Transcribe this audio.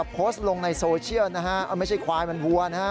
โพสต์ลงในโซเชียลนะฮะไม่ใช่ควายมันวัวนะฮะ